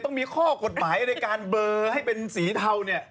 ต้องมีข้อกฎหมายในการเบลอให้เป็นสีเทาเนี่ย